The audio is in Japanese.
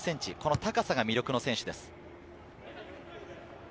高さが魅力の選手です。